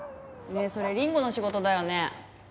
ねえそれ凛吾の仕事だよね。